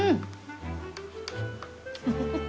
フフフッ。